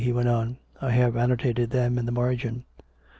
." he went on. " I have annotated them in the margin.